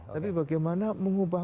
tapi bagaimana mengubah